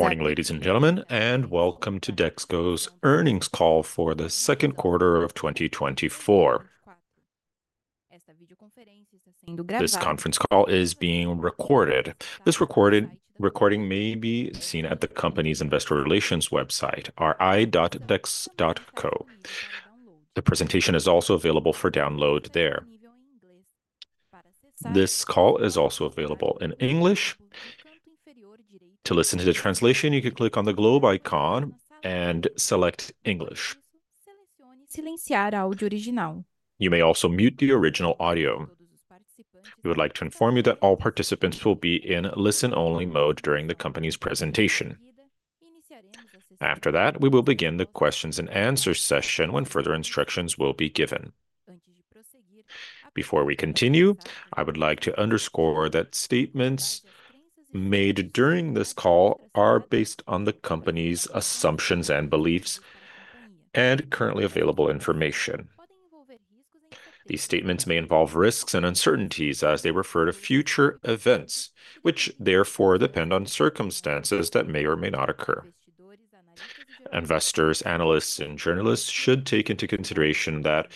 Good morning, ladies and gentlemen, and welcome to Dexco's earnings call for the second quarter of 2024. This conference call is being recorded. This recording may be seen at the company's investor relations website, ri.dex.co. The presentation is also available for download there. This call is also available in English. To listen to the translation, you can click on the globe icon and select English. You may also mute the original audio. We would like to inform you that all participants will be in listen-only mode during the company's presentation. After that, we will begin the questions and answer session, when further instructions will be given. Before we continue, I would like to underscore that statements made during this call are based on the company's assumptions and beliefs and currently available information. These statements may involve risks and uncertainties as they refer to future events, which therefore depend on circumstances that may or may not occur. Investors, analysts, and journalists should take into consideration that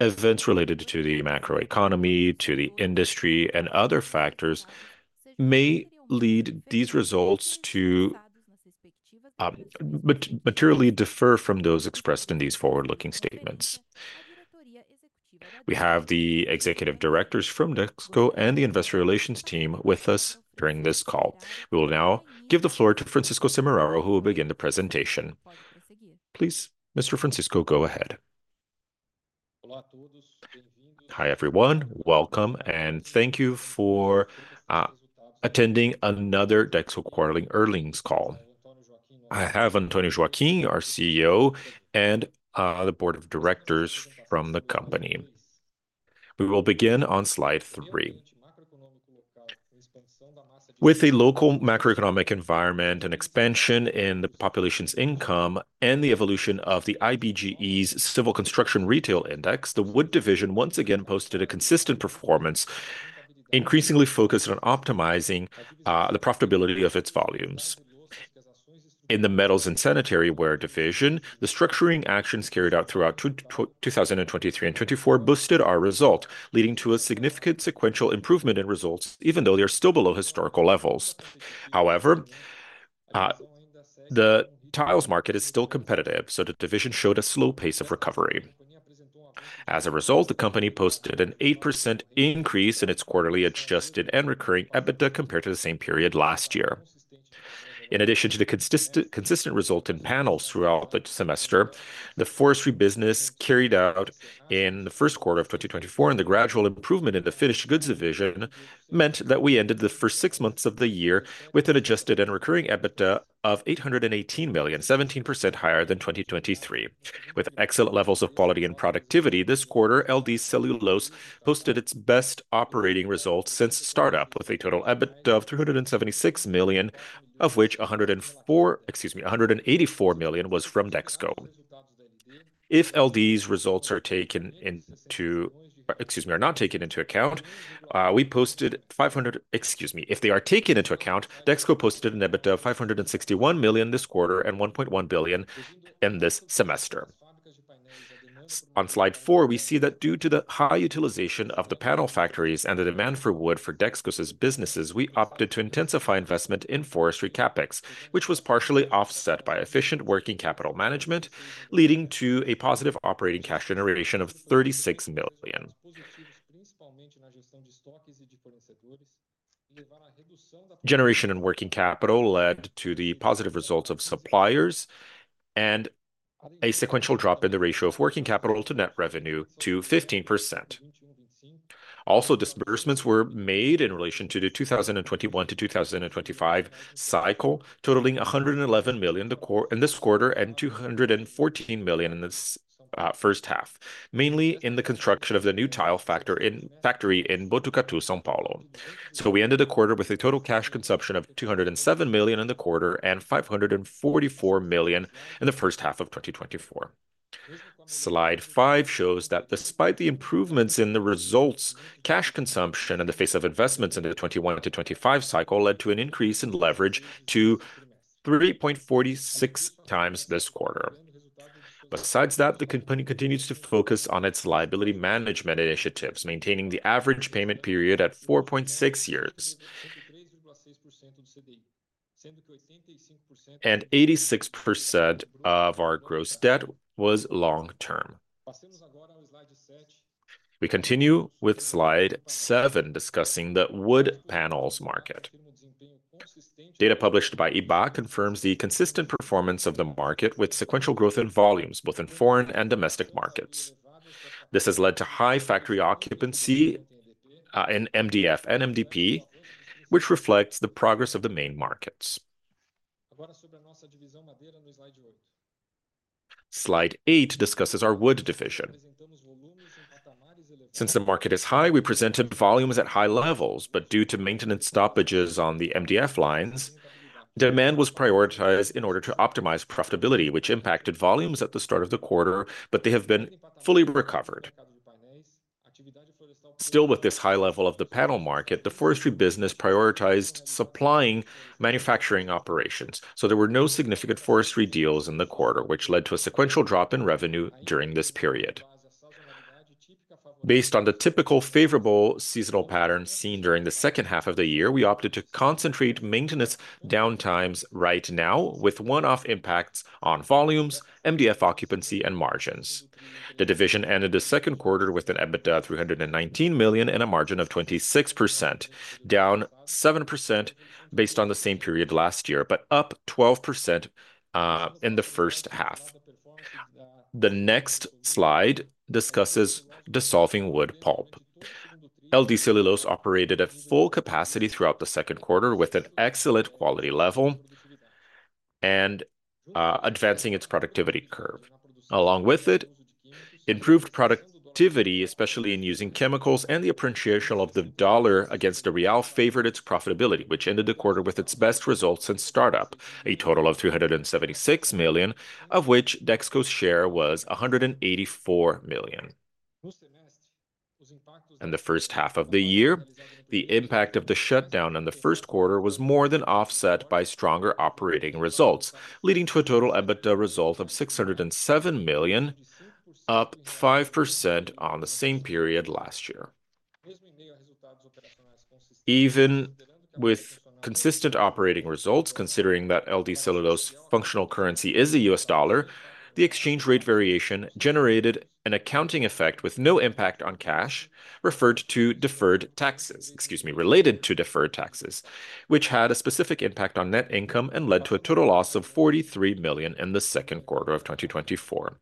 events related to the macroeconomy, to the industry, and other factors may lead these results to materially differ from those expressed in these forward-looking statements. We have the executive directors from Dexco and the investor relations team with us during this call. We will now give the floor to Francisco Semeraro, who will begin the presentation. Please, Mr. Francisco, go ahead. Hi, everyone. Welcome, and thank you for attending another Dexco quarterly earnings call. I have Antonio Joaquim, our CEO, and the board of directors from the company. We will begin on slide three. With a local macroeconomic environment and expansion in the population's income and the evolution of the IBGE's Civil Construction Retail Index, the wood division once again posted a consistent performance, increasingly focused on optimizing the profitability of its volumes. In the metals and sanitary ware division, the structuring actions carried out throughout 2023 and 2024 boosted our result, leading to a significant sequential improvement in results, even though they are still below historical levels. However, the tiles market is still competitive, so the division showed a slow pace of recovery. As a result, the company posted an 8% increase in its quarterly adjusted and recurring EBITDA compared to the same period last year. In addition to the consistent result in panels throughout the semester, the forestry business carried out in the first quarter of 2024 and the gradual improvement in the finished goods division meant that we ended the first six months of the year with an adjusted and recurring EBITDA of 818 million, 17% higher than 2023. With excellent levels of quality and productivity, this quarter, LD Celulose posted its best operating results since startup, with a total EBITDA of 376 million, of which 184 million was from Dexco. If LD's results are not taken into account, we posted 500. If they are taken into account, Dexco posted an EBITDA of 561 million this quarter and 1.1 billion in this semester. On slide four, we see that due to the high utilization of the panel factories and the demand for wood for Dexco's businesses, we opted to intensify investment in forestry CapEx, which was partially offset by efficient working capital management, leading to a positive operating cash generation of 36 million. Generation and working capital led to the positive results of suppliers and a sequential drop in the ratio of working capital to net revenue to 15%. Also, disbursements were made in relation to the 2021-2025 cycle, totaling 111 million in this quarter and 214 million in this first half, mainly in the construction of the new tile factory in Botucatu, São Paulo. So we ended the quarter with a total cash consumption of 207 million in the quarter and 544 million in the first half of 2024. Slide five shows that despite the improvements in the results, cash consumption in the face of investments into the 2021-2025 cycle led to an increase in leverage to 3.46x this quarter. Besides that, the company continues to focus on its liability management initiatives, maintaining the average payment period at 4.6 years. 86% of our gross debt was long-term. We continue with slide seven, discussing the wood panels market. Data published by Ibá confirms the consistent performance of the market with sequential growth in volumes, both in foreign and domestic markets. This has led to high factory occupancy in MDF and MDP, which reflects the progress of the main markets. Slide eight discusses our wood division. Since the market is high, we presented volumes at high levels, but due to maintenance stoppages on the MDF lines, demand was prioritized in order to optimize profitability, which impacted volumes at the start of the quarter, but they have been fully recovered. Still, with this high level of the panel market, the forestry business prioritized supplying manufacturing operations, so there were no significant forestry deals in the quarter, which led to a sequential drop in revenue during this period. Based on the typical favorable seasonal pattern seen during the second half of the year, we opted to concentrate maintenance downtimes right now, with one-off impacts on volumes, MDF occupancy, and margins. The division ended the second quarter with an EBITDA of 319 million and a margin of 26%, down 7% based on the same period last year, but up 12% in the first half. The next slide discusses dissolving wood pulp. LD Celulose operated at full capacity throughout the second quarter with an excellent quality level and advancing its productivity curve. Along with it, improved productivity, especially in using chemicals and the appreciation of the US dollar against the Brazilian real, favored its profitability, which ended the quarter with its best results since startup, a total of 376 million, of which Dexco's share was 184 million. In the first half of the year, the impact of the shutdown in the first quarter was more than offset by stronger operating results, leading to a total EBITDA result of 607 million, up 5% on the same period last year. Even with consistent operating results, considering that LD Celulose functional currency is a U.S. dollar, the exchange rate variation generated an accounting effect with no impact on cash, referred to deferred taxes, excuse me, related to deferred taxes, which had a specific impact on net income and led to a total loss of 43 million in the second quarter of 2024.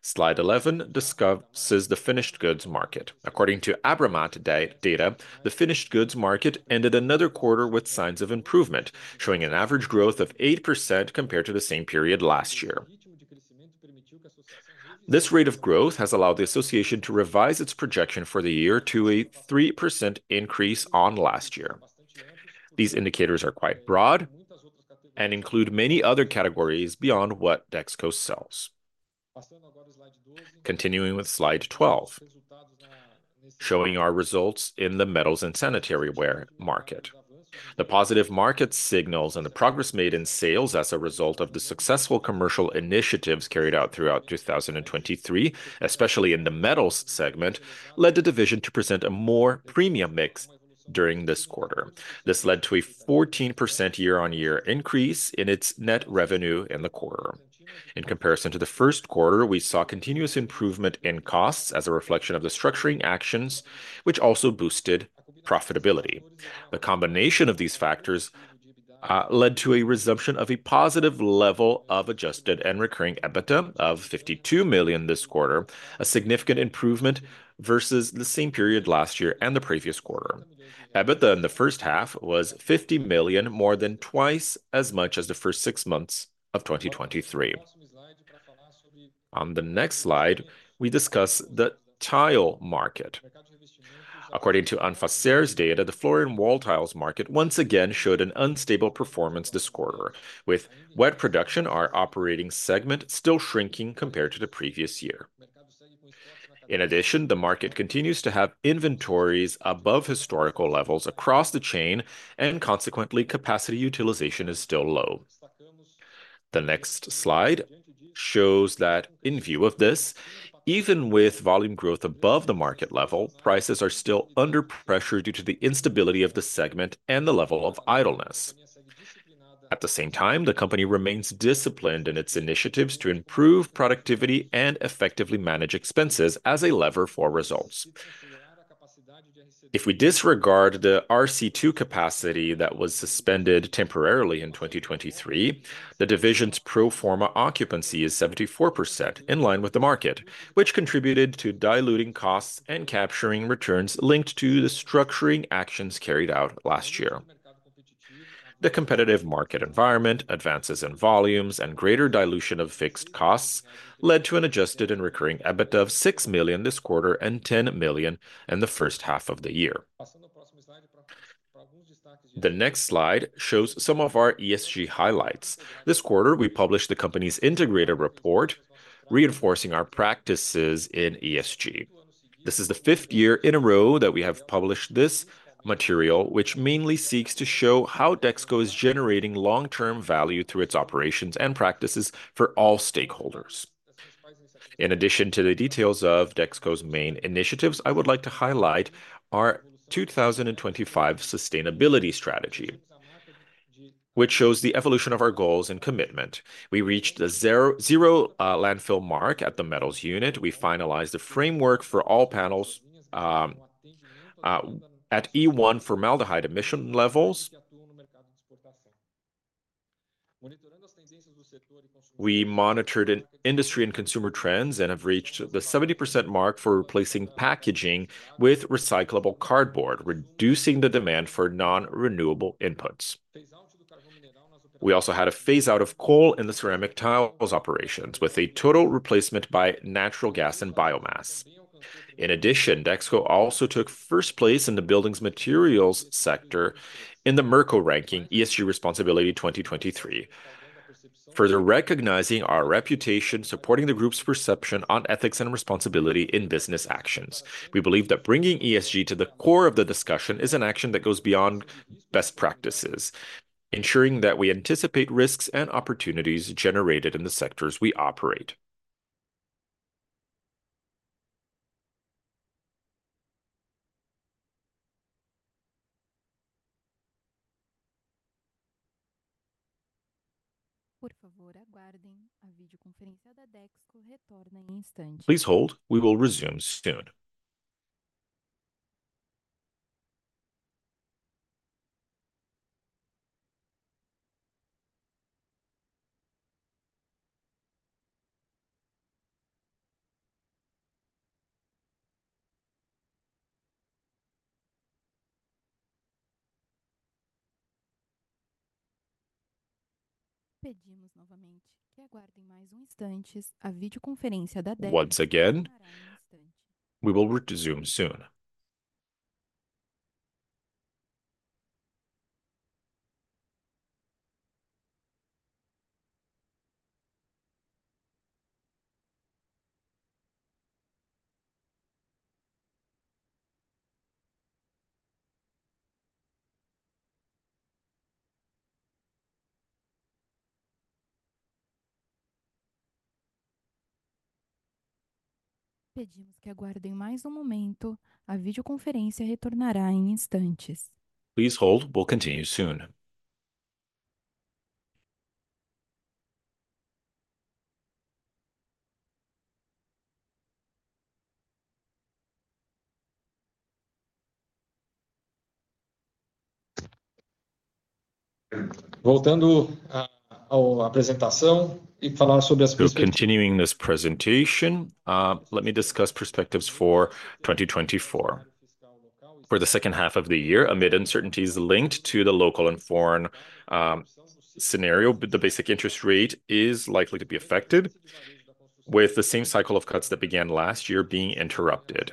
Slide 11 discusses the finished goods market. According to Abramat data, the finished goods market ended another quarter with signs of improvement, showing an average growth of 8% compared to the same period last year. This rate of growth has allowed the association to revise its projection for the year to a 3% increase on last year. These indicators are quite broad and include many other categories beyond what Dexco sells. Continuing with slide 12, showing our results in the metals and sanitary ware market. The positive market signals and the progress made in sales as a result of the successful commercial initiatives carried out throughout 2023, especially in the metals segment, led the division to present a more premium mix during this quarter. This led to a 14% year-on-year increase in its net revenue in the quarter. In comparison to the first quarter, we saw continuous improvement in costs as a reflection of the structuring actions, which also boosted profitability. The combination of these factors led to a resumption of a positive level of adjusted and recurring EBITDA of 52 million this quarter, a significant improvement versus the same period last year and the previous quarter. EBITDA in the first half was 50 million, more than twice as much as the first six months of 2023. On the next slide, we discuss the tile market. According to Anfacer's data, the floor and wall tiles market once again showed an unstable performance this quarter, with wet production, our operating segment, still shrinking compared to the previous year. In addition, the market continues to have inventories above historical levels across the chain, and consequently, capacity utilization is still low. The next slide shows that in view of this, even with volume growth above the market level, prices are still under pressure due to the instability of the segment and the level of idleness. At the same time, the company remains disciplined in its initiatives to improve productivity and effectively manage expenses as a lever for results. If we disregard the RC2 capacity that was suspended temporarily in 2023, the division's pro forma occupancy is 74%, in line with the market, which contributed to diluting costs and capturing returns linked to the structuring actions carried out last year. The competitive market environment, advances in volumes, and greater dilution of fixed costs led to an adjusted and recurring EBITDA of 6 million this quarter and 10 million in the first half of the year. The next slide shows some of our ESG highlights. This quarter, we published the company's integrated report, reinforcing our practices in ESG. This is the fifth year in a row that we have published this material, which mainly seeks to show how Dexco is generating long-term value through its operations and practices for all stakeholders. In addition to the details of Dexco's main initiatives, I would like to highlight our 2025 sustainability strategy, which shows the evolution of our goals and commitment. We reached the Zero Landfill mark at the metals unit. We finalized the framework for all panels at E1 formaldehyde emission levels. We monitored in-industry and consumer trends and have reached the 70% mark for replacing packaging with recyclable cardboard, reducing the demand for non-renewable inputs. We also had a phaseout of coal in the ceramic tiles operations, with a total replacement by natural gas and biomass. In addition, Dexco also took first place in the building materials sector in the Merco ranking, ESG Responsibility 2023, further recognizing our reputation, supporting the group's perception on ethics and responsibility in business actions. We believe that bringing ESG to the core of the discussion is an action that goes beyond best practices, ensuring that we anticipate risks and opportunities generated in the sectors we operate. Please hold. We will resume soon. Once again, we will resume soon. So continuing this presentation, let me discuss perspectives for 2024. For the second half of the year, amid uncertainties linked to the local and foreign scenario, the basic interest rate is likely to be affected, with the same cycle of cuts that began last year being interrupted.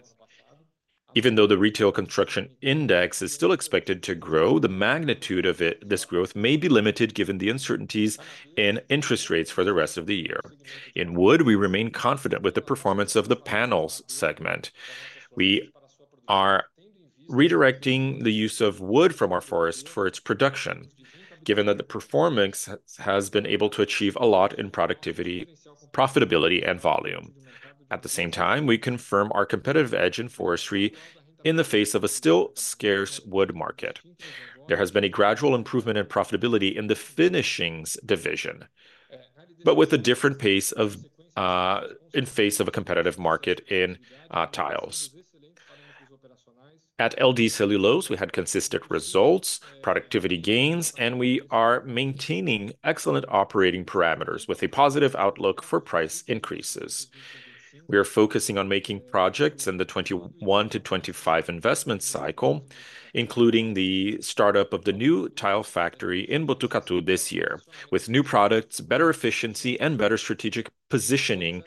Even though the retail construction index is still expected to grow, the magnitude of it, this growth, may be limited, given the uncertainties in interest rates for the rest of the year. In wood, we remain confident with the performance of the panels segment. We are redirecting the use of wood from our forest for its production, given that the performance has, has been able to achieve a lot in productivity, profitability, and volume. At the same time, we confirm our competitive edge in forestry in the face of a still scarce wood market. There has been a gradual improvement in profitability in the finishings division, but with a different pace of, in face of a competitive market in tiles. At LD Celulose, we had consistent results, productivity gains, and we are maintaining excellent operating parameters, with a positive outlook for price increases. We are focusing on making projects in the 21-25 investment cycle, including the startup of the new tile factory in Botucatu this year, with new products, better efficiency, and better strategic positioning,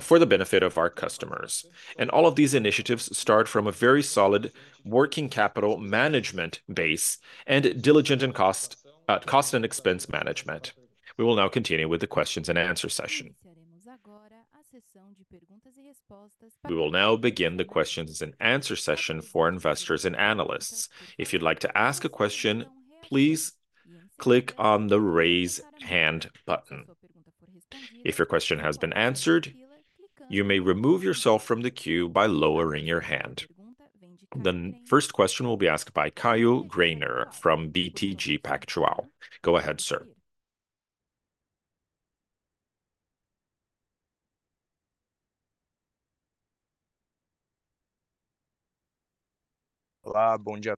for the benefit of our customers. And all of these initiatives start from a very solid working capital management base and diligent in cost, cost and expense management. We will now continue with the questions and answer session. We will now begin the questions and answer session for investors and analysts. If you'd like to ask a question, please click on the Raise Hand button. If your question has been answered, you may remove yourself from the queue by lowering your hand. The first question will be asked by Caio Greiner from BTG Pactual. Go ahead, sir. Hi, everyone.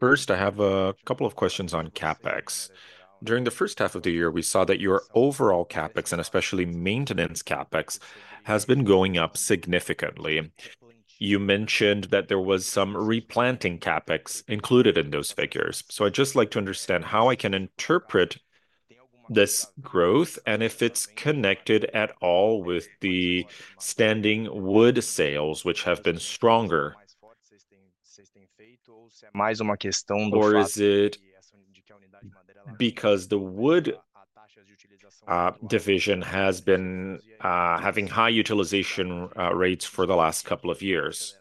First, I have a couple of questions on CapEx. During the first half of the year, we saw that your overall CapEx, and especially maintenance CapEx, has been going up significantly. You mentioned that there was some replanting CapEx included in those figures. So I'd just like to understand how I can interpret this growth and if it's connected at all with the standing wood sales, which have been stronger. Or is it because the wood division has been having high utilization rates for the last couple of years?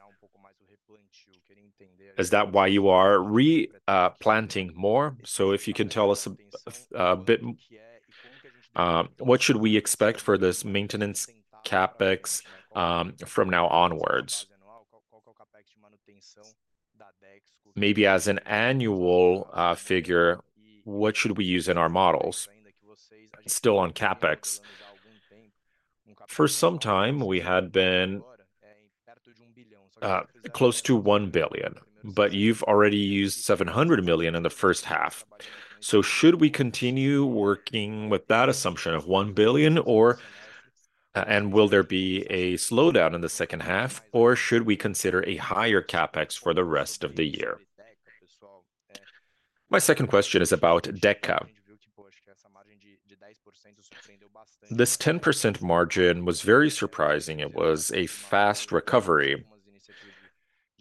Is that why you are replanting more? So if you can tell us a bit, what should we expect for this maintenance CapEx from now onwards? Maybe as an annual figure, what should we use in our models? Still on CapEx, for some time, we had been close to 1 billion, but you've already used 700 million in the first half. So should we continue working with that assumption of 1 billion, or... And will there be a slowdown in the second half, or should we consider a higher CapEx for the rest of the year? My second question is about Deca... This 10% margin was very surprising. It was a fast recovery.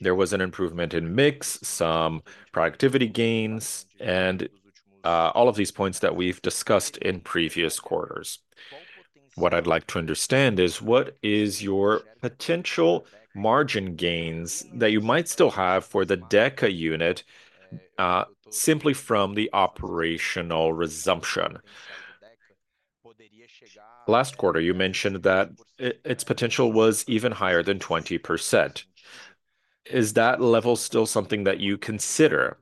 There was an improvement in mix, some productivity gains, and all of these points that we've discussed in previous quarters. What I'd like to understand is: what is your potential margin gains that you might still have for the Deca unit, simply from the operational resumption? Last quarter, you mentioned that its potential was even higher than 20%. Is that level still something that you consider?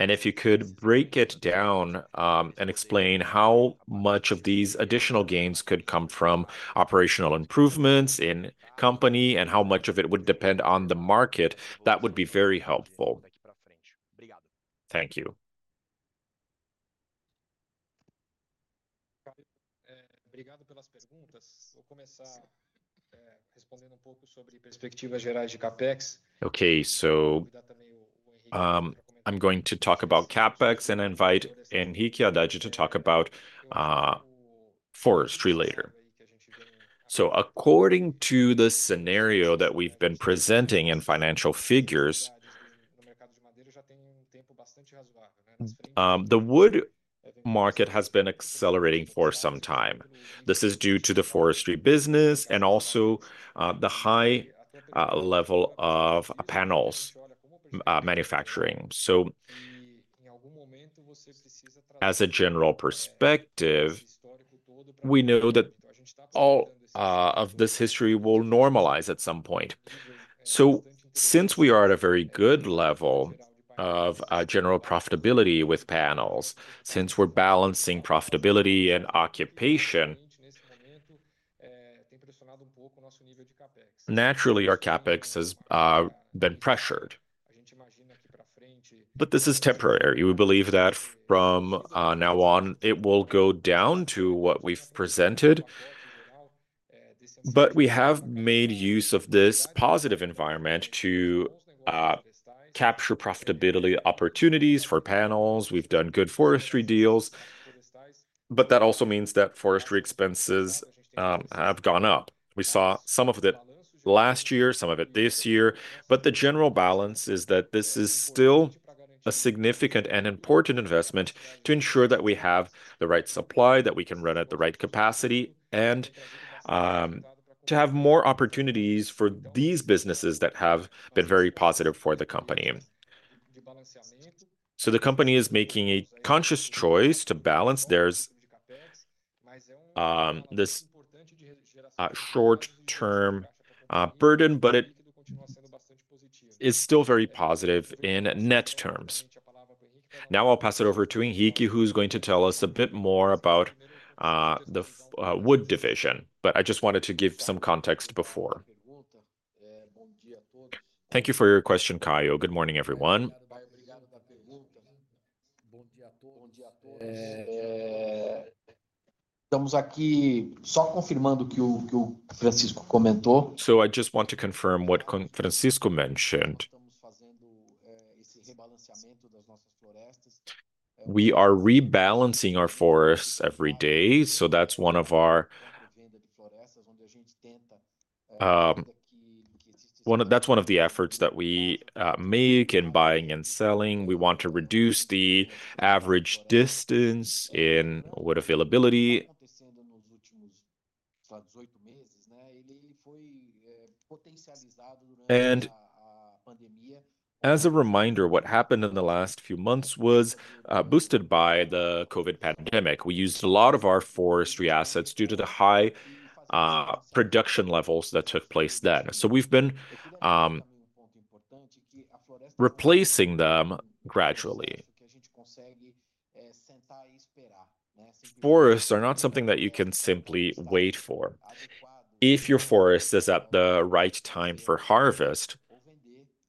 And if you could break it down, and explain how much of these additional gains could come from operational improvements in company, and how much of it would depend on the market, that would be very helpful. Thank you. Thank you for those questions. I'm going to talk about CapEx and invite Henrique Addad to talk about forestry later. So according to the scenario that we've been presenting in financial figures, the wood market has been accelerating for some time. This is due to the forestry business, and also, the high level of panels manufacturing. So, as a general perspective, we know that all of this history will normalize at some point. So since we are at a very good level of general profitability with panels, since we're balancing profitability and occupation, naturally, our CapEx has been pressured. But this is temporary. We believe that from now on, it will go down to what we've presented. But we have made use of this positive environment to capture profitability opportunities for panels. We've done good forestry deals, but that also means that forestry expenses have gone up. We saw some of it last year, some of it this year, but the general balance is that this is still a significant and important investment to ensure that we have the right supply, that we can run at the right capacity, and to have more opportunities for these businesses that have been very positive for the company. So the company is making a conscious choice to balance. There's this short-term burden, but it is still very positive in net terms. Now I'll pass it over to Henrique, who's going to tell us a bit more about the Wood Division, but I just wanted to give some context before. Thank you for your question, Caio. Good morning, everyone. So I just want to confirm what Francisco mentioned. We are rebalancing our forests every day, so that's one of the efforts that we make in buying and selling. We want to reduce the average distance in wood availability. And as a reminder, what happened in the last few months was boosted by the COVID pandemic. We used a lot of our forestry assets due to the high production levels that took place then. So we've been replacing them gradually. Forests are not something that you can simply wait for. If your forest is at the right time for harvest,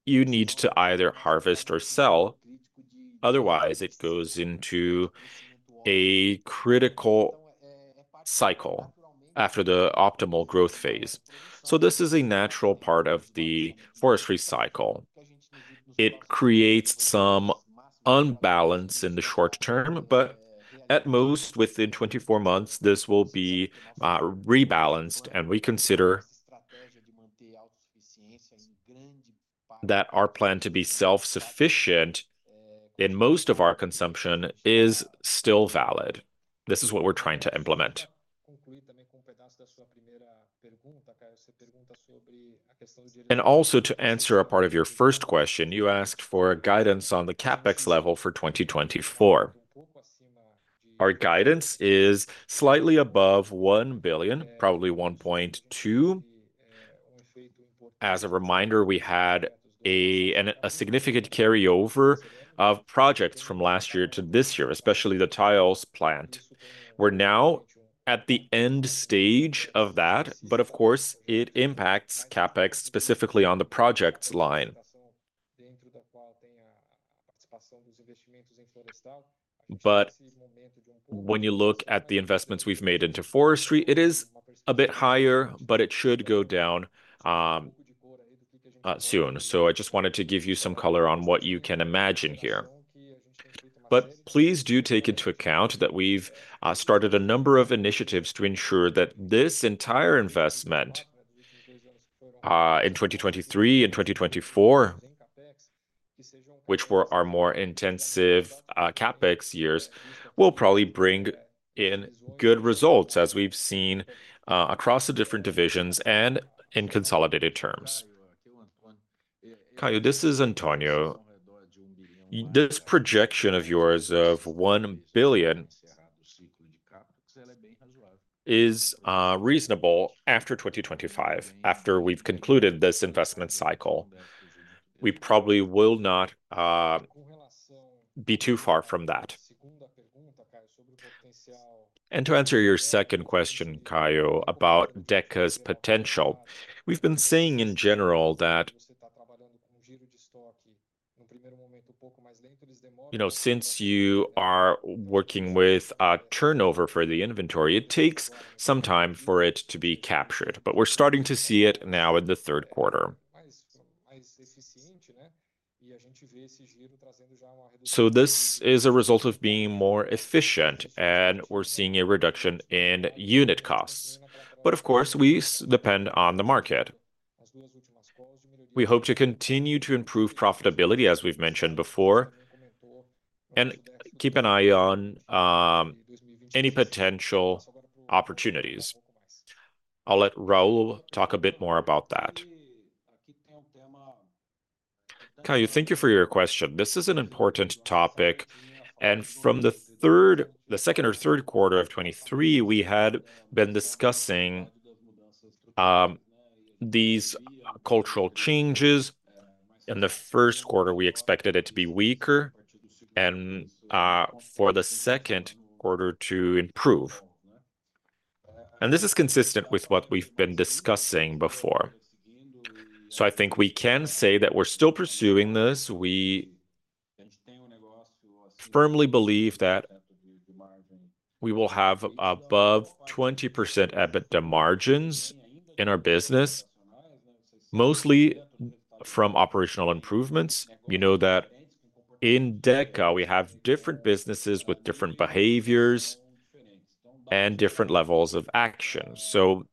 you need to either harvest or sell, otherwise it goes into a critical cycle after the optimal growth phase. So this is a natural part of the forestry cycle. It creates some unbalance in the short term, but at most, within 24 months, this will be rebalanced, and we consider that our plan to be self-sufficient in most of our consumption is still valid. This is what we're trying to implement. And also, to answer a part of your first question, you asked for a guidance on the CapEx level for 2024. Our guidance is slightly above 1 billion, probably 1.2 billion. As a reminder, we had a significant carryover of projects from last year to this year, especially the tiles plant. We're now at the end stage of that, but of course, it impacts CapEx, specifically on the projects line. But when you look at the investments we've made into forestry, it is a bit higher, but it should go down soon. So I just wanted to give you some color on what you can imagine here. But please do take into account that we've started a number of initiatives to ensure that this entire investment in 2023 and 2024, which were our more intensive CapEx years, will probably bring in good results, as we've seen across the different divisions and in consolidated terms. Caio, this is Antonio. This projection of yours of 1 billion is reasonable after 2025, after we've concluded this investment cycle. We probably will not be too far from that. And to answer your second question, Caio, about Deca's potential, we've been saying in general that, you know, since you are working with a turnover for the inventory, it takes some time for it to be captured, but we're starting to see it now in the third quarter. So this is a result of being more efficient, and we're seeing a reduction in unit costs. But of course, we depend on the market. We hope to continue to improve profitability, as we've mentioned before, and keep an eye on any potential opportunities. I'll let Raul talk a bit more about that. Caio, thank you for your question. This is an important topic, and from the third, the second or third quarter of 2023, we had been discussing these cultural changes. In the first quarter, we expected it to be weaker and for the second quarter to improve. This is consistent with what we've been discussing before. I think we can say that we're still pursuing this. We firmly believe that we will have above 20% EBITDA margins in our business, mostly from operational improvements. We know that in Deca, we have different businesses with different behaviors and different levels of action. So,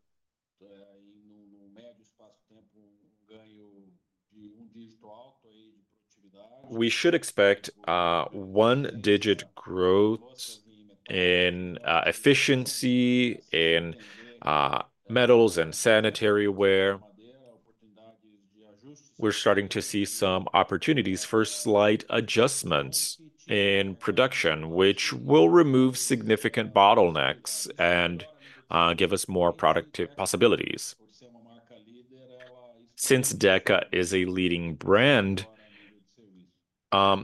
we should expect one-digit growth in efficiency, in metals and sanitary ware. We're starting to see some opportunities for slight adjustments in production, which will remove significant bottlenecks and give us more productive possibilities. Since Deca is a leading brand,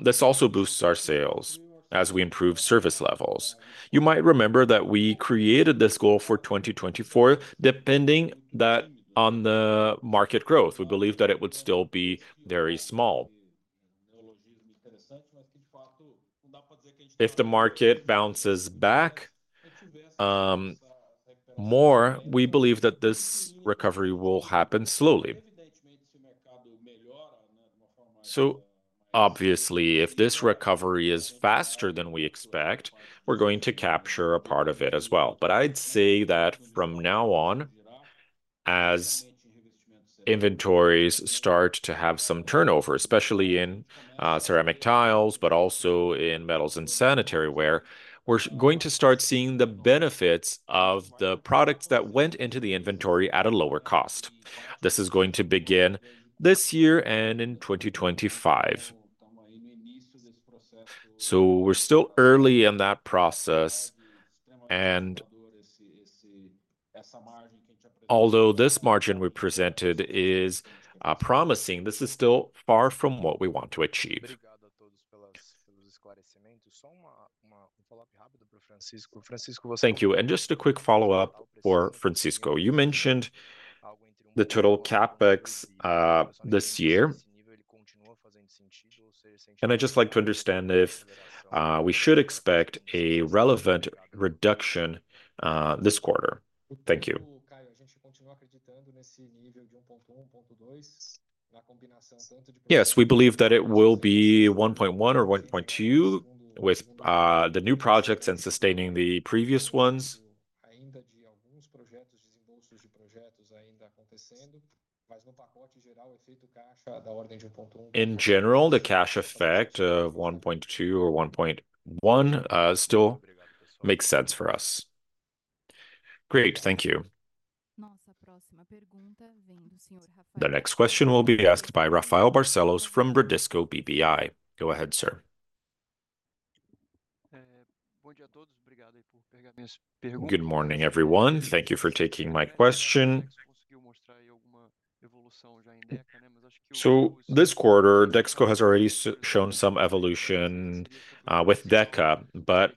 this also boosts our sales as we improve service levels. You might remember that we created this goal for 2024, depending that on the market growth. We believe that it would still be very small. If the market bounces back more, we believe that this recovery will happen slowly. So obviously, if this recovery is faster than we expect, we're going to capture a part of it as well. But I'd say that from now on, as inventories start to have some turnover, especially in ceramic tiles, but also in metals and sanitary ware, we're going to start seeing the benefits of the products that went into the inventory at a lower cost. This is going to begin this year and in 2025. So we're still early in that process, and although this margin we presented is promising, this is still far from what we want to achieve. Thank you. And just a quick follow-up for Francisco. You mentioned the total CapEx this year, and I'd just like to understand if we should expect a relevant reduction this quarter. Thank you. Yes, we believe that it will be 1.1-1.2, with the new projects and sustaining the previous ones. In general, the cash effect of 1.2 or 1.1 still makes sense for us. Great, thank you. The next question will be asked by Rafael Barcellos from Bradesco BBI. Go ahead, sir. Good morning, everyone. Thank you for taking my question. So this quarter, Dexco has already shown some evolution with Deca, but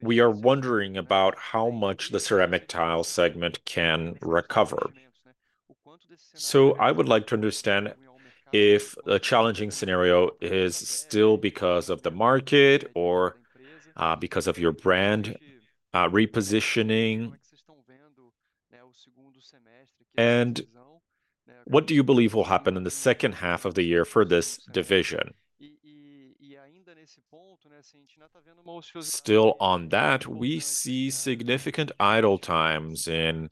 we are wondering about how much the ceramic tile segment can recover. So I would like to understand if a challenging scenario is still because of the market or because of your brand repositioning? And what do you believe will happen in the second half of the year for this division? Still on that, we see significant idle times in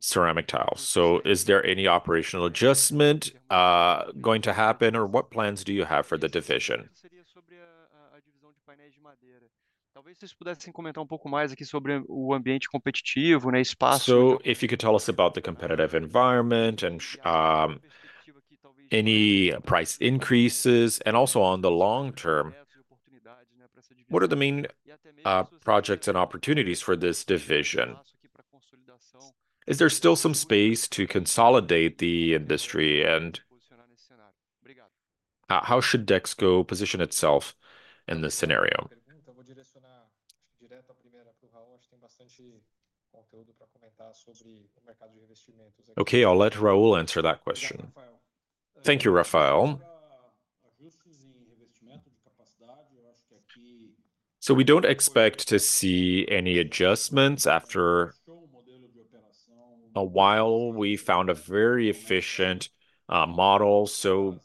ceramic tiles. So is there any operational adjustment going to happen, or what plans do you have for the division? So if you could tell us about the competitive environment and any price increases, and also on the long term, what are the main projects and opportunities for this division? Is there still some space to consolidate the industry, and how should Dexco position itself in this scenario? Okay, I'll let Raul answer that question. Thank you, Rafael. So we don't expect to see any adjustments after a while. We found a very efficient model, so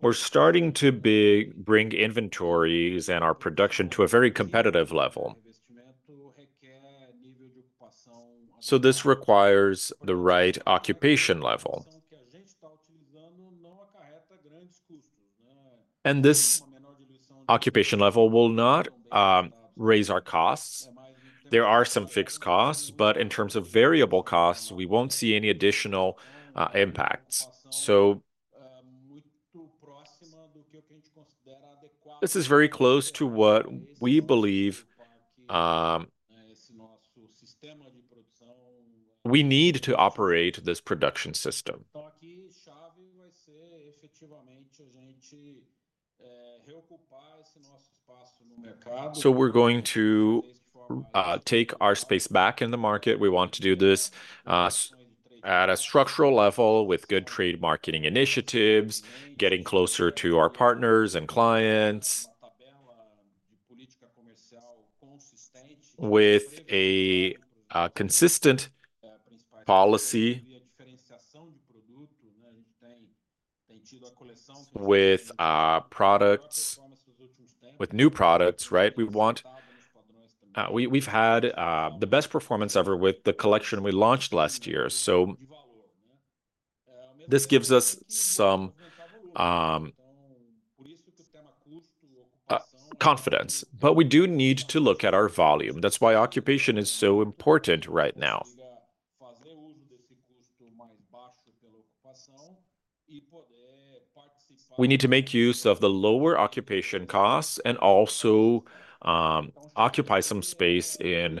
we're starting to bring inventories and our production to a very competitive level. So this requires the right occupation level and this occupation level will not raise our costs. There are some fixed costs, but in terms of variable costs, we won't see any additional impacts. So this is very close to what we believe, we need to operate this production system. So we're going to take our space back in the market. We want to do this at a structural level with good trade marketing initiatives, getting closer to our partners and clients. With a consistent policy with products, with new products, right? We've had the best performance ever with the collection we launched last year, so this gives us some confidence. But we do need to look at our volume. That's why occupation is so important right now. We need to make use of the lower occupation costs, and also, occupy some space in,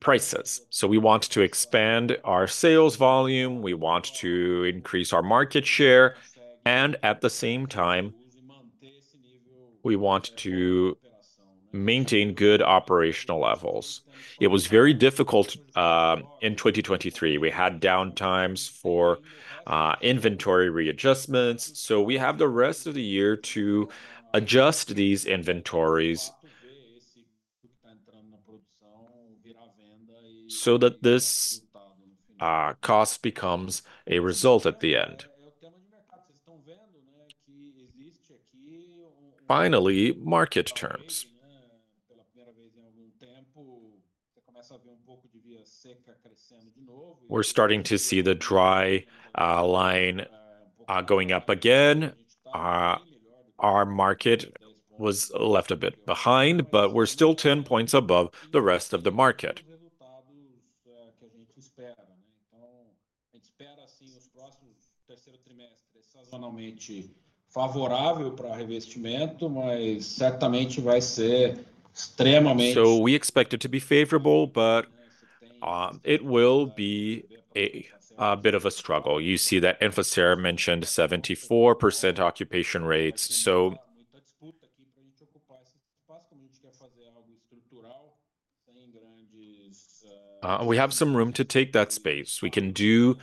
prices. So we want to expand our sales volume, we want to increase our market share, and at the same time we want to maintain good operational levels. It was very difficult, in 2023. We had downtimes for, inventory readjustments, so we have the rest of the year to adjust these inventories so that this cost becomes a result at the end. Finally, market terms. We're starting to see the dry line going up again. Our market was left a bit behind, but we're still 10 points above the rest of the market. So we expect it to be favorable, but it will be a bit of a struggle. You see that Anfacer mentioned 74% occupation rates so we have some room to take that space. We can do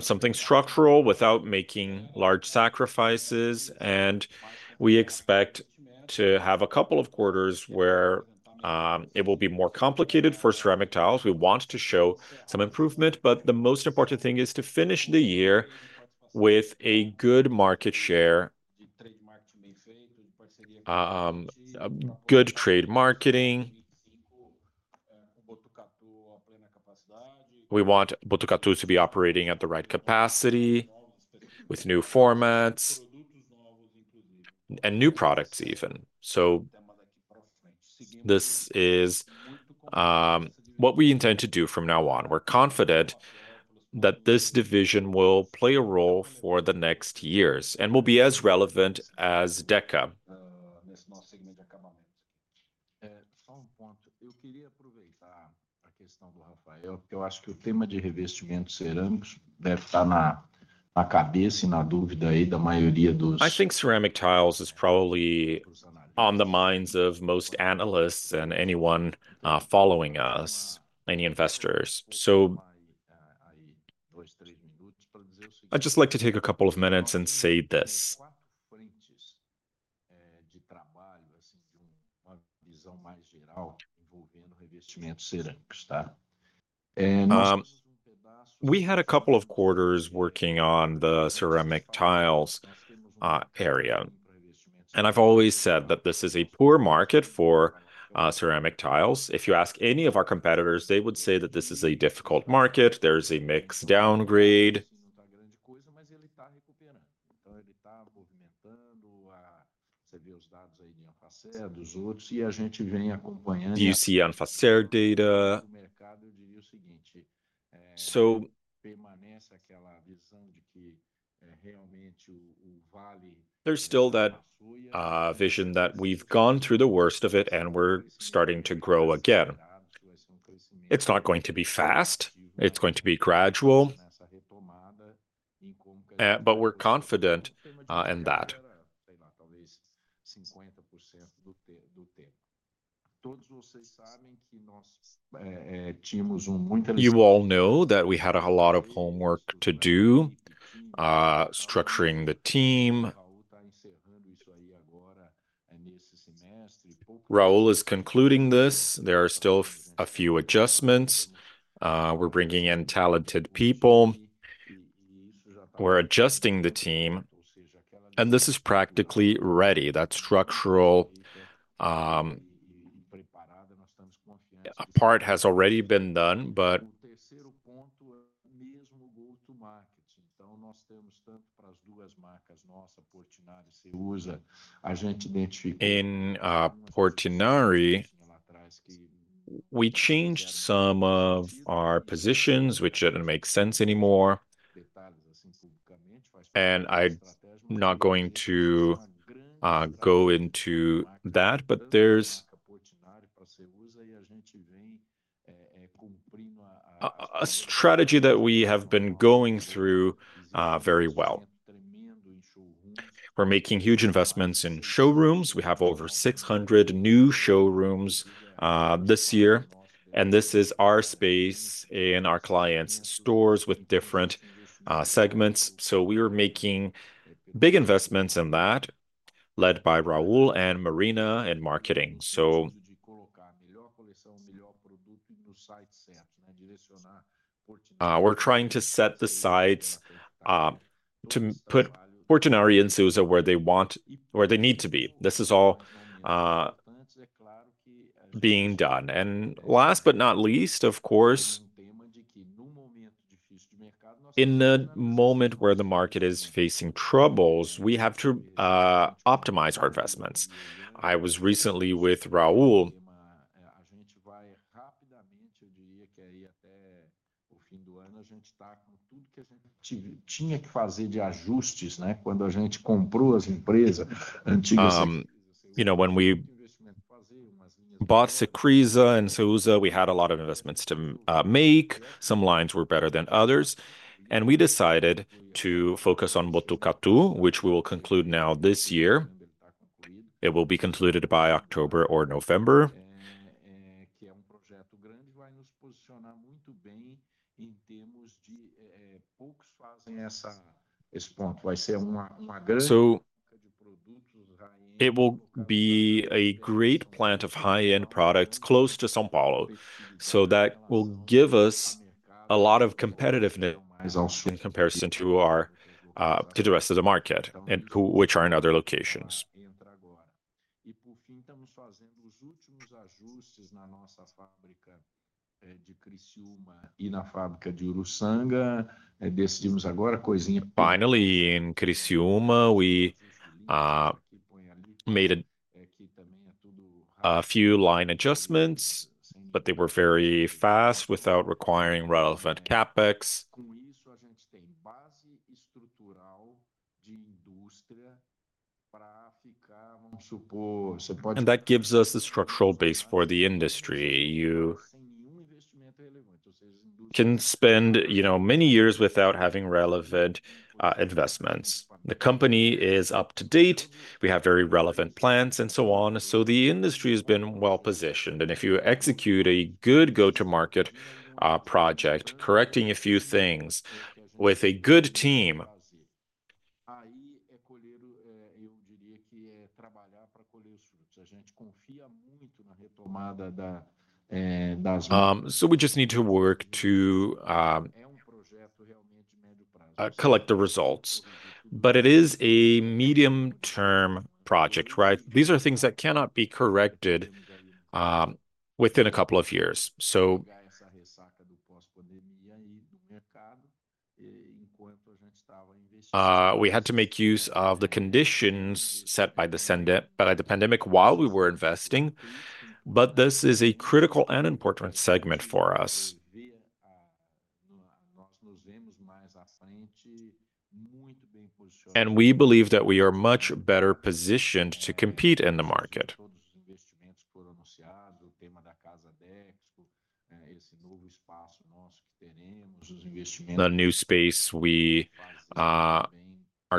something structural without making large sacrifices, and we expect to have a couple of quarters where it will be more complicated for ceramic tiles. We want to show some improvement, but the most important thing is to finish the year with a good market share. A good trade marketing, we want Botucatu to be operating at the right capacity, with new formats-and new products, even. So this is what we intend to do from now on. We're confident that this division will play a role for the next years, and will be as relevant as Deca. I think ceramic tiles is probably on the minds of most analysts and anyone following us, any investors. So, I'd just like to take a couple of minutes and say this. We had a couple of quarters working on the ceramic tiles area, and I've always said that this is a poor market for ceramic tiles. If you ask any of our competitors, they would say that this is a difficult market. There's a mix downgrade. You see Anfacer data. So, there's still that vision that we've gone through the worst of it, and we're starting to grow again. It's not going to be fast, it's going to be gradual, but we're confident in that. You all know that we had a lot of homework to do structuring the team. Raul is concluding this. There are still a few adjustments. We're bringing in talented people. We're adjusting the team, and this is practically ready. That structural part has already been done, but... In Portinari, we changed some of our positions which didn't make sense anymore, and I'm not going to go into that. But there's a strategy that we have been going through very well. We're making huge investments in showrooms. We have over 600 new showrooms this year, and this is our space in our clients' stores with different segments. So we are making big investments in that, led by Raul and Marina in marketing, so... We're trying to set the sights to put Portinari and Ceusa where they want-- where they need to be. This is all being done. Last but not least, of course, in a moment where the market is facing troubles, we have to optimize our investments. I was recently with Raul. You know, when we bought Cecrisa and Ceusa, we had a lot of investments to make. Some lines were better than others, and we decided to focus on Botucatu, which we will conclude now this year. It will be concluded by October or November. So it will be a great plant of high-end products close to São Paulo, so that will give us a lot of competitiveness in comparison to our to the rest of the market, and which are in other locations. Finally, in Criciúma, we made a few line adjustments, but they were very fast, without requiring relevant CapEx. That gives us the structural base for the industry. You can spend, you know, many years without having relevant investments. The company is up-to-date. We have very relevant plans, and so on. So the industry has been well-positioned, and if you execute a good go-to-market project, correcting a few things with a good team, so we just need to work to collect the results. But it is a medium-term project, right? These are things that cannot be corrected within a couple of years, so. We had to make use of the conditions set by the pandemic while we were investing, but this is a critical and important segment for us. And we believe that we are much better positioned to compete in the market. The new space we are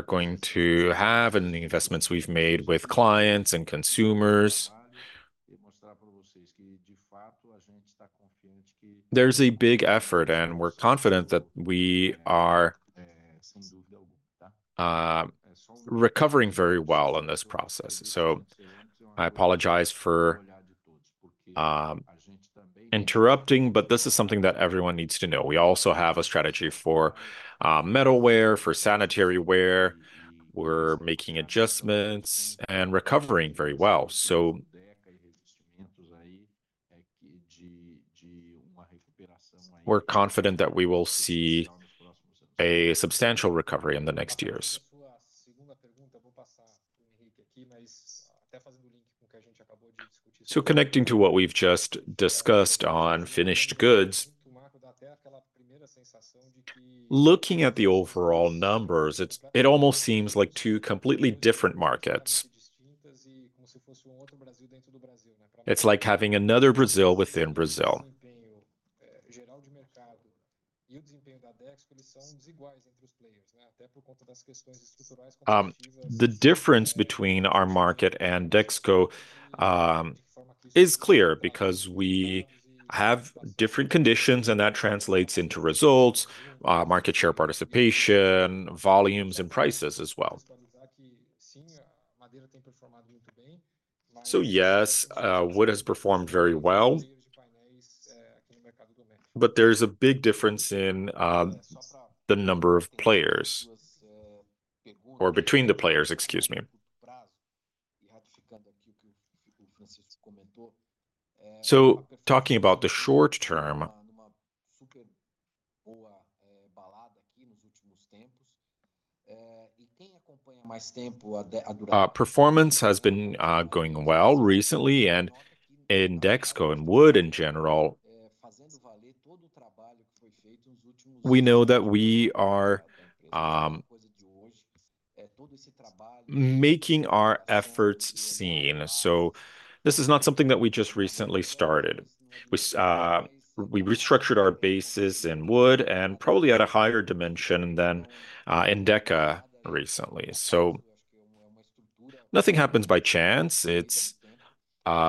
going to have and the investments we've made with clients and consumers. There's a big effort, and we're confident that we are recovering very well in this process. So I apologize for interrupting, but this is something that everyone needs to know. We also have a strategy for metalware, for sanitary ware. We're making adjustments and recovering very well. So, we're confident that we will see a substantial recovery in the next years. So connecting to what we've just discussed on finished goods, looking at the overall numbers, it's almost seems like two completely different markets. It's like having another Brazil within Brazil. The difference between our market and Dexco is clear, because we have different conditions, and that translates into results, market share participation, volumes, and prices as well. So yes, wood has performed very well, but there's a big difference in the number of players or between the players, excuse me. So talking about the short term, performance has been going well recently, and in Dexco and wood in general, we know that we are making our efforts seen. So this is not something that we just recently started. We restructured our bases in wood, and probably at a higher dimension than in Deca recently. So nothing happens by chance. It's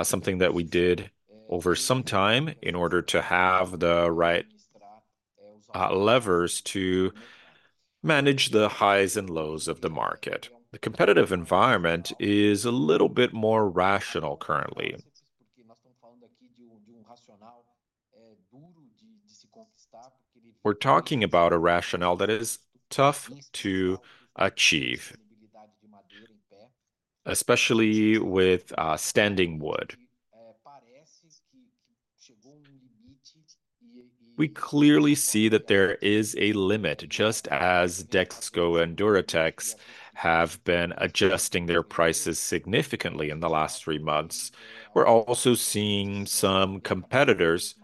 something that we did over some time in order to have the right levers to manage the highs and lows of the market. The competitive environment is a little bit more rational currently. We're talking about a rationale that is tough to achieve, especially with standing wood. We clearly see that there is a limit, just as Dexco and Duratex have been adjusting their prices significantly in the last three months. We're also seeing some competitors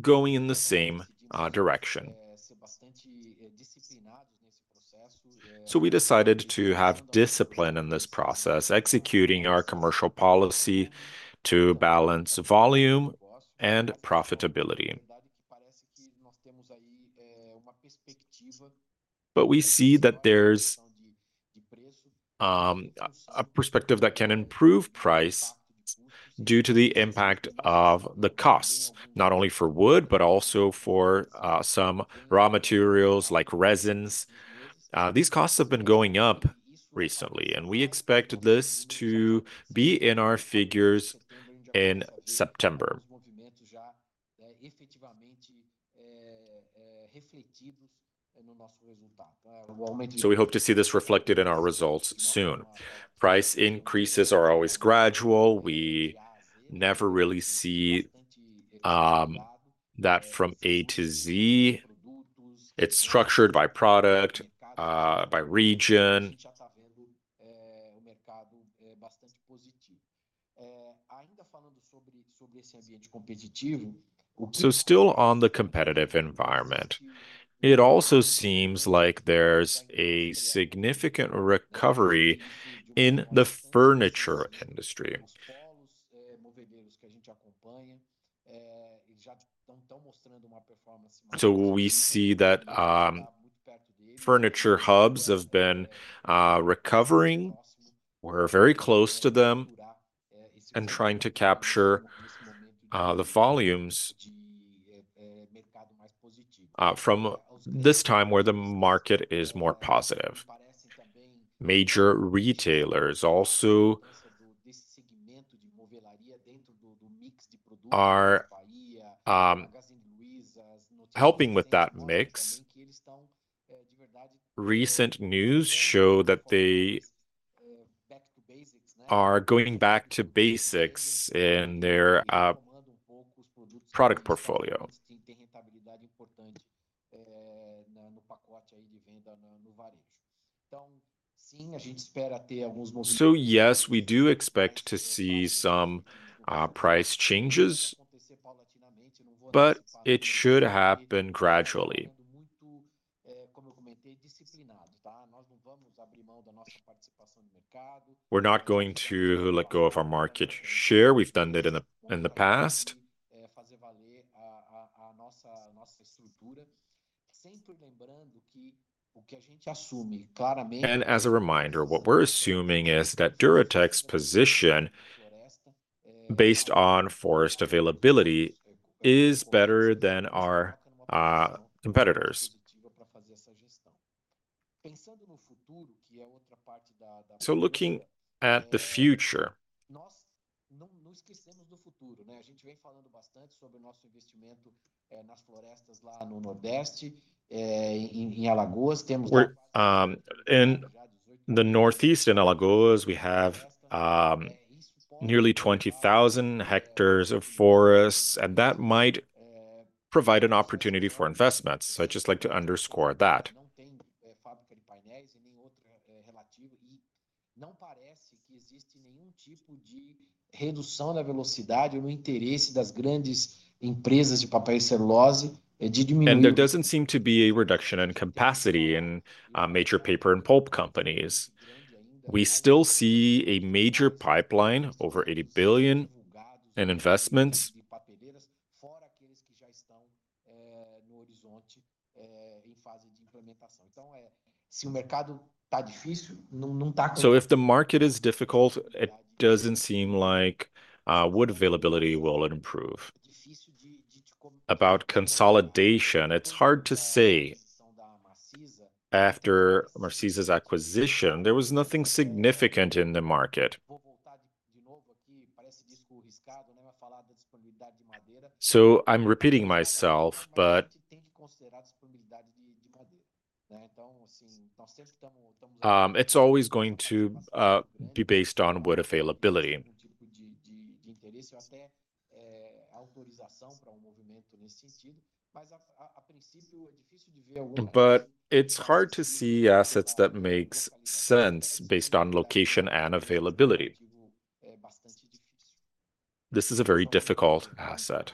going in the same, direction. So we decided to have discipline in this process, executing our commercial policy to balance volume and profitability. But we see that there's, a perspective that can improve price due to the impact of the costs, not only for wood, but also for, some raw materials, like resins. These costs have been going up recently, and we expect this to be in our figures in September. So we hope to see this reflected in our results soon. Price increases are always gradual. We never really see, that from A to Z. It's structured by product, by region. So still on the competitive environment, it also seems like there's a significant recovery in the furniture industry. So we see that, furniture hubs have been recovering. We're very close to them and trying to capture the volumes from this time where the market is more positive. Major retailers also are helping with that mix. Recent news show that they are going back to basics in their product portfolio. So yes, we do expect to see some price changes, but it should happen gradually. We're not going to let go of our market share. We've done that in the past As a reminder, what we're assuming is that Duratex's position based on forest availability is better than our competitors. So looking at the future we're in the Northeast, in Alagoas, we have nearly 20,000 hectares of forests, and that might provide an opportunity for investments. So I'd just like to underscore that. There doesn't seem to be a reduction in capacity in major paper and pulp companies. We still see a major pipeline, over 80 billion in investments. So if the market is difficult it doesn't seem like wood availability will improve. About consolidation, it's hard to say. After Masisa acquisition, there was nothing significant in the market. So I'm repeating myself, but it's always going to be based on wood availability. But it's hard to see assets that makes sense based on location and availability. This is a very difficult asset.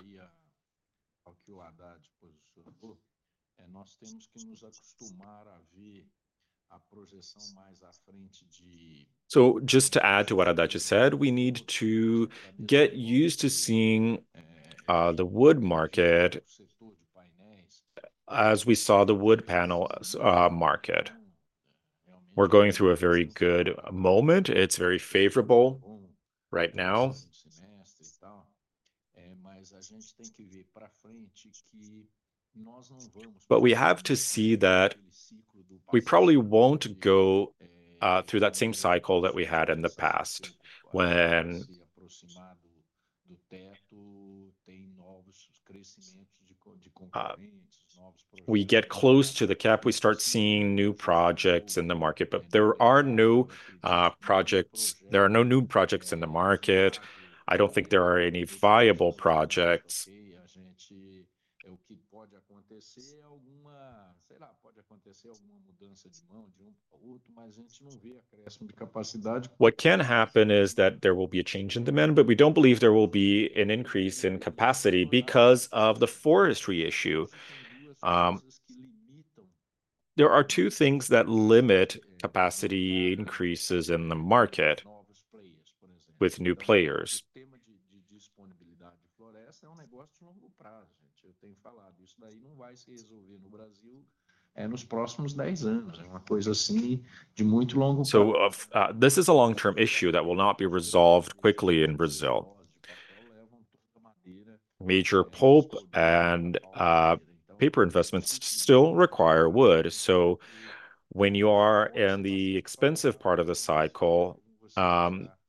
Just to add to what Addad just said, we need to get used to seeing the wood market as we saw the wood panel, market. We're going through a very good moment. It's very favorable right now. But we have to see that we probably won't go through that same cycle that we had in the past, when We get close to the cap, we start seeing new projects in the market. But there are no projects. There are no new projects in the market. I don't think there are any viable projects. What can happen is that there will be a change in demand, but we don't believe there will be an increase in capacity because of the forestry issue. There are two things that limit capacity increases in the market with new players. So, this is a long-term issue that will not be resolved quickly in Brazil. Major pulp and paper investments still require wood. So when you are in the expensive part of the cycle,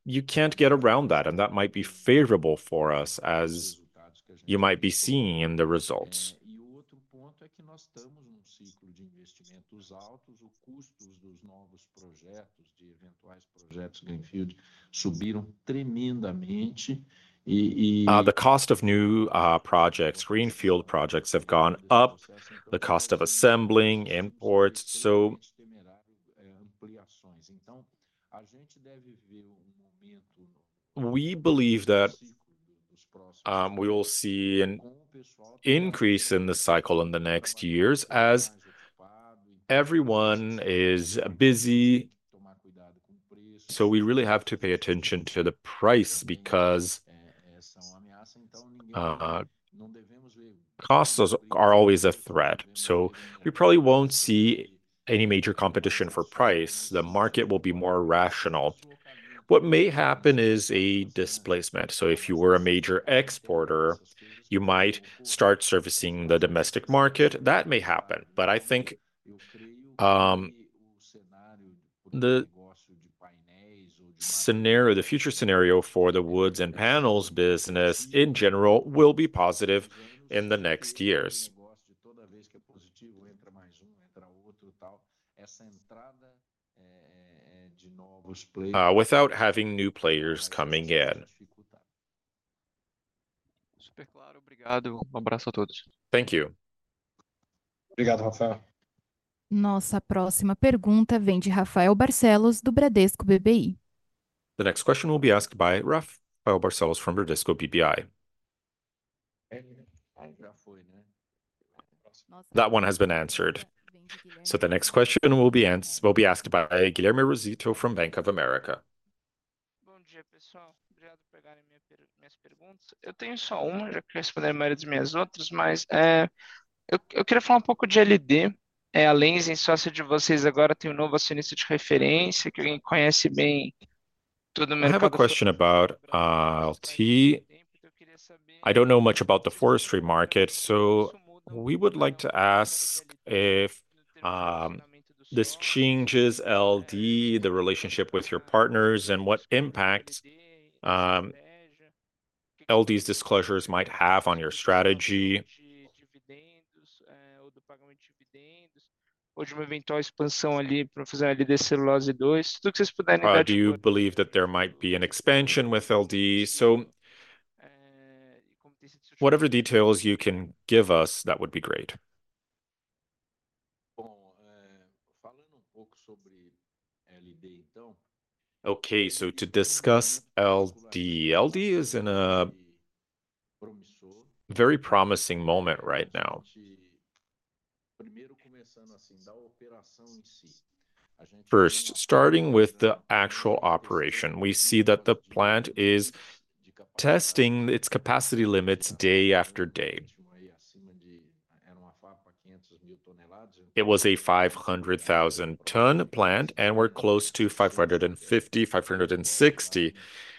you can't get around that, and that might be favorable for us as you might be seeing in the results. The cost of new projects, Greenfield projects, have gone up. The cost of assembling imports, so we believe that we will see an increase in the cycle in the next years as everyone is busy. So we really have to pay attention to the price, because costs are always a threat, so we probably won't see any major competition for price. The market will be more rational. What may happen is a displacement. So if you were a major exporter, you might start servicing the domestic market. That may happen, but I think, the scenario, the future scenario for the wood and panels business in general will be positive in the next years without having new players coming in. Thank you. The next question will be asked by Rafael Barcellos from Bradesco BBI. That one has been answered. The next question comes from Guilherme. So the next question will be asked by Guilherme Rosito from Bank of America. I have a question about LD. I don't know much about the forestry market, so we would like to ask if this changes LD, the relationship with your partners, and what impact LD's disclosures might have on your strategy? Do you believe that there might be an expansion with LD? So whatever details you can give us, that would be great. Okay, so to discuss LD. LD is in a promising... very promising moment right now. First, starting with the actual operation, we see that the plant is testing its capacity limits day after day. It was a 500,000-ton plant, and we're close to 550-560,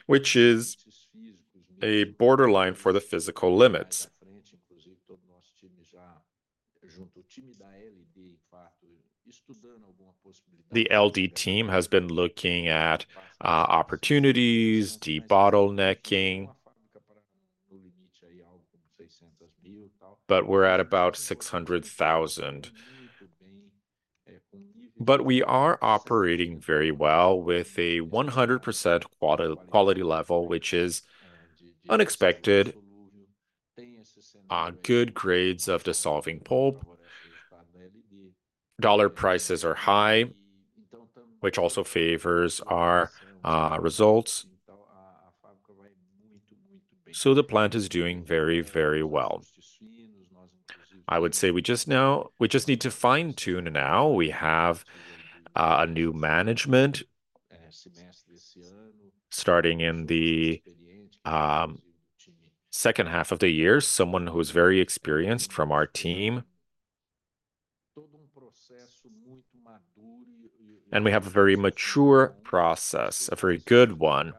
which is a borderline for the physical limits. The LD team has been looking at opportunities, debottlenecking. But we're at about 600,000. But we are operating very well with a 100% quality level, which is unexpected. Good grades of dissolving pulp. US dollar prices are high, which also favors our results. So the plant is doing very, very well. I would say we just now we just need to fine-tune it now. We have a new management, starting in the second half of the year, someone who's very experienced from our team. And we have a very mature process, a very good one,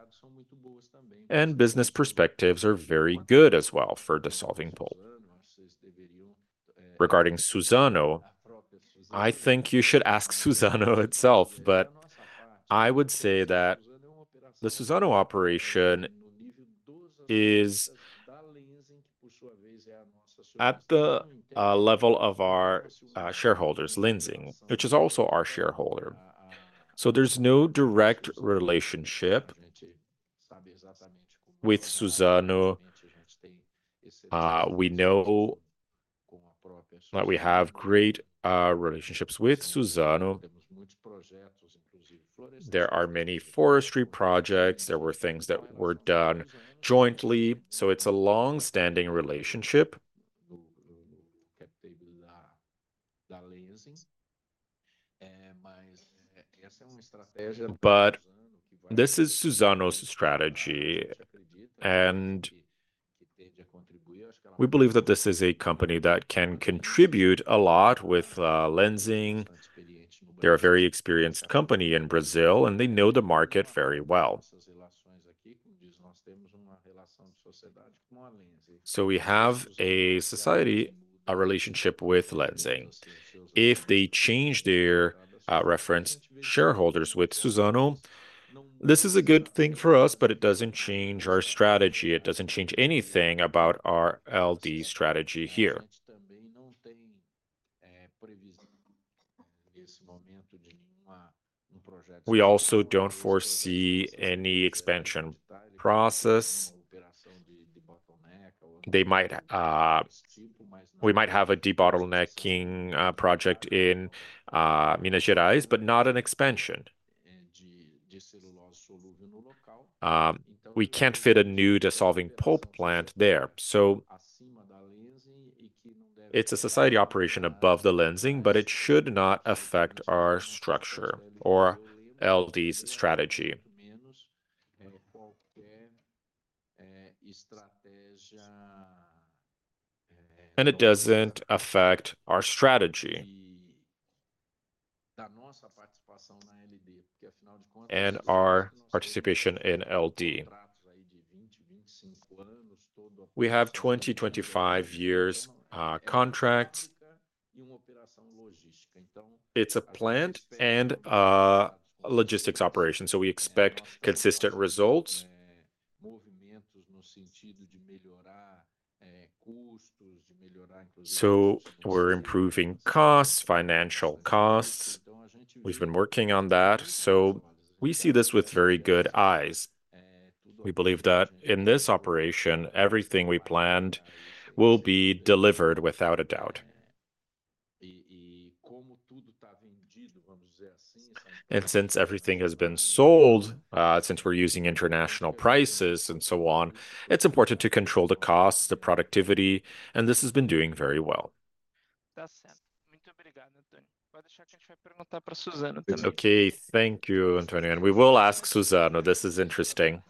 and business perspectives are very good as well for dissolving pulp. Regarding Suzano, I think you should ask Suzano itself, but I would say that the Suzano operation is at the level of our shareholders, Lenzing, which is also our shareholder. So there's no direct relationship with Suzano. We know that we have great relationships with Suzano. There are many forestry projects. There were things that were done jointly, so it's a long-standing relationship. But this is Suzano's strategy, and we believe that this is a company that can contribute a lot with Lenzing. They're a very experienced company in Brazil, and they know the market very well. So we have a society, a relationship with Lenzing. If they change their reference shareholders with Suzano, this is a good thing for us, but it doesn't change our strategy. It doesn't change anything about our LD strategy here. We also don't foresee any expansion process. They might... We might have a debottlenecking project in Minas Gerais, but not an expansion. We can't fit a new dissolving pulp plant there. So it's a society operation above the Lenzing, but it should not affect our structure or LD's strategy. It doesn't affect our strategy and our participation in LD. We have 20-25 years contracts. It's a plant and a logistics operation, so we expect consistent results. So we're improving costs, financial costs. We've been working on that, so we see this with very good eyes. We believe that in this operation, everything we planned will be delivered without a doubt. Since everything has been sold, since we're using international prices and so on, it's important to control the costs, the productivity, and this has been doing very well. Okay. Thank you, Antonio. We will ask Suzano. This is interesting.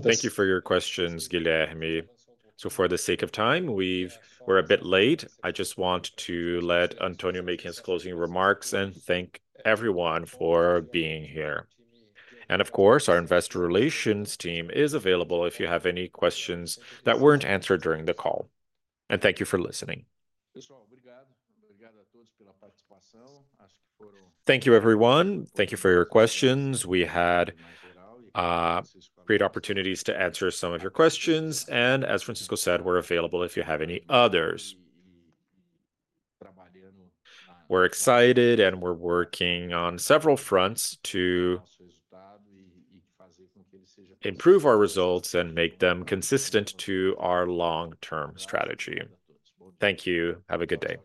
Thank you for your questions, Guilherme. For the sake of time, we've—we're a bit late. I just want to let Antonio make his closing remarks and thank everyone for being here. Of course, our investor relations team is available if you have any questions that weren't answered during the call. And thank you for listening. Thank you, everyone. Thank you for your questions. We had great opportunities to answer some of your questions, and as Francisco said, we're available if you have any others. We're excited, and we're working on several fronts to improve our results and make them consistent to our long-term strategy. Thank you. Have a good day.